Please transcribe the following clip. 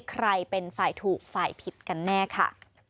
ใครเป็นฝ่ายถูกฝ่ายผิดกันแน่ค่ะ